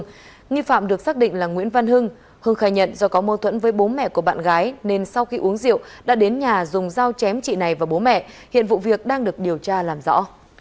nguyễn văn nghi phạm được xác định là nguyễn văn hưng hưng khai nhận do có mâu thuẫn với bố mẹ của bạn gái nên sau khi uống rượu đã đến nhà dùng dao chém chị này và bố mẹ hiện vụ việc đang được điều tra làm rõ